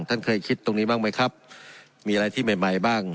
ท่านเคยคิดตรงนี้บ้างไหมครับมีอะไรที่ใหม่ใหม่บ้าง